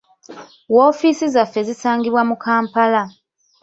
Woofiisi zaffe zisangibwa mu Kampala.